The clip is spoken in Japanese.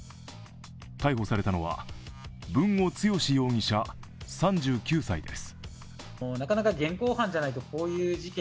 逮捕されたのは、豊後強容疑者３９歳です。